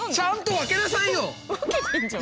分けてんじゃん。